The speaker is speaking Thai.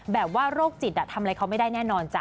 แบบว่าโรคจิตอะทำอะไรเขาไม่ได้แน่นอนจ้ะ